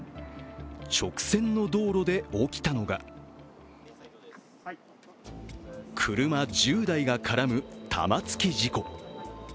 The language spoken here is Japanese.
直線の道路で起きたのが車１０台が絡む玉突き事故。